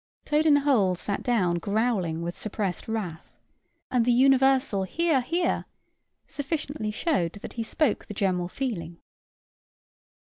Toad in the hole sat down growling with suppressed wrath, and the universal "Hear, hear!" sufficiently showed that he spoke the general feeling.